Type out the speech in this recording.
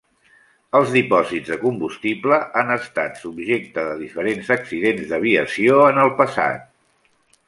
Els dipòsits de combustible han estat subjecte de diferents accidents d'aviació en el passat.